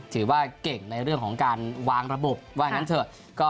ถือว่าเก่งในเรื่องของการวางระบบว่างั้นเถอะ